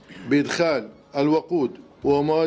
untuk memasukkan wakud dan makhluk kegiatan